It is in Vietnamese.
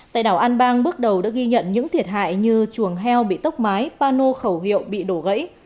tại đảo an bang bước đầu đã ghi nhận những thiệt hại như chuồng heo bị tốc mái pano khẩu hiệu bị đổ gãy